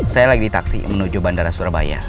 saya lagi taksi menuju bandara surabaya